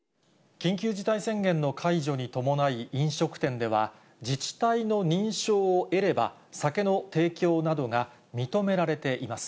緊急事態宣言の解除に伴い飲食店では、自治体の認証を得れば、酒の提供などが認められています。